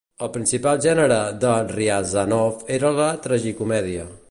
El principal gènere de Ryazanov era la tragicomèdia.